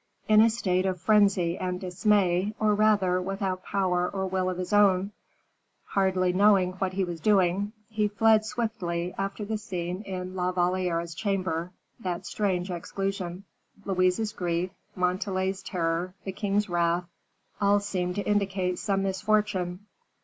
In a state of frenzy and dismay, or rather without power or will of his own, hardly knowing what he was doing, he fled swiftly, after the scene in La Valliere's chamber, that strange exclusion, Louise's grief, Montalais's terror, the king's wrath all seemed to indicate some misfortune.